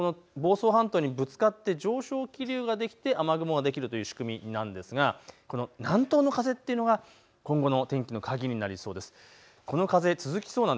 南東の風で房総半島にぶつかって上昇気流ができて雨雲ができるという仕組みなんですがこの南東の風というのが今後の天気の鍵になりそうです。